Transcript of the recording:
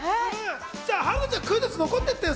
春菜ちゃん、クイズッス、残ってってよ！